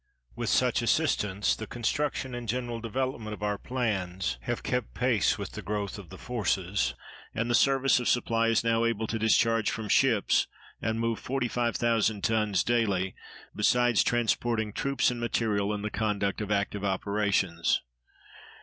With such assistance the construction and general development of our plans have kept pace with the growth of the forces, and the Service of Supply is now able to discharge from ships and move 45,000 tons daily, besides transporting troops and material in the conduct of active operations.